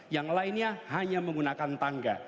yang lainnya hanya menggunakan tangga